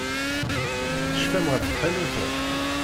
Tecfam ɣef tḥanut-a?